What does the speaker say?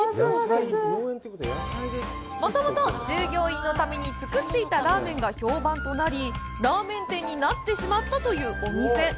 もともと従業員のために作っていたラーメンが評判となり、ラーメン店になってしまったというお店。